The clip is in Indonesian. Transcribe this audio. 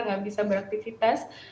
enggak bisa beraktivitas